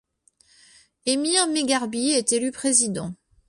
Emir Megharbi est élu président.